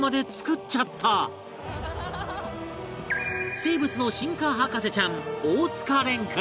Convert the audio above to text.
生物の進化博士ちゃん大塚蓮君